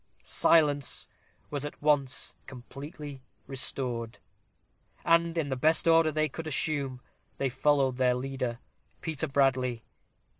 Silence was at once completely restored; and, in the best order they could assume, they followed their leader, Peter Bradley.